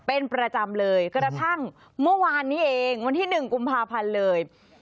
เป็นประจำเลยกระทั่งเมื่อวานนี้เองวันที่๑กุมภาพันธ์เลย